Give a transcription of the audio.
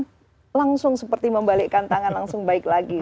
lalu dikerjakan langsung seperti membalikkan tangan langsung baik lagi